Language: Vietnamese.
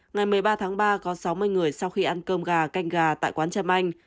ngày một mươi ba tháng ba có sáu mươi người sau khi ăn cơm gà canh gà tại quán trâm anh